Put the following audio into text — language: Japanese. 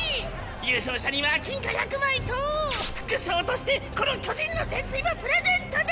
優勝者には金貨１００枚と副賞としてこの巨人の戦もプレゼントだ！